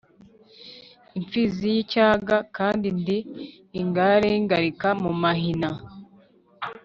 imfizi y'icyaga kandi ndi ingare y'ingalika mu mahina,